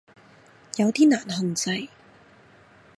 有啲難控制